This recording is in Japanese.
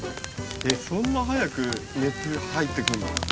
そんな早く熱入ってくるの？